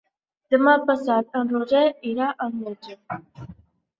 Demà passat en Roger irà al metge.